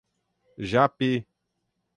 Japi